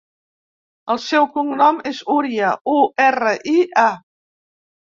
El seu cognom és Uria: u, erra, i, a.